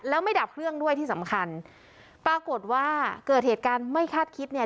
แล้วไม่ดับเครื่องด้วยที่สำคัญปรากฏว่าเกิดเหตุการณ์ไม่คาดคิดเนี่ย